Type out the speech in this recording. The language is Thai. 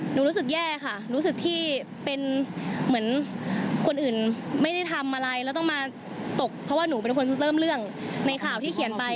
รู้สึกแย่ค่ะรู้สึกที่เป็นเหมือนคนอื่นไม่ได้ทำอะไรแล้วต้องมาตกเพราะว่าหนูเป็นคนเริ่มเรื่องในข่าวที่เขียนไป